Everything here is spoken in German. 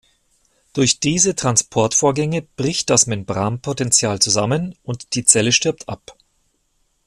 Durch diese Transportvorgänge bricht das Membranpotential zusammen und die Zelle stirbt ab.